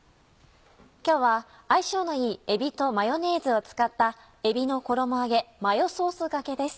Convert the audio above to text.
今日は相性のいいえびとマヨネーズを使った「えびの衣揚げマヨソースがけ」です。